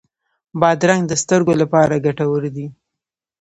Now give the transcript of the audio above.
بادرنګ د سترګو لپاره ګټور دی.